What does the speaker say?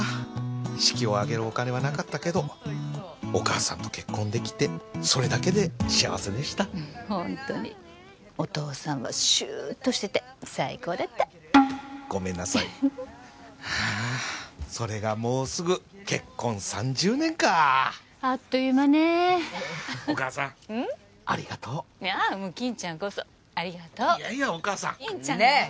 式を挙げるお金はなかったけどお母さんと結婚できてそれだけで幸せでしたホントにお父さんはシューッとしてて最高だったごめんなさいはあっそれがもうすぐ結婚３０年かあっという間ねお母さんありがとういやもう金ちゃんこそありがとういやいやお母さんねえ！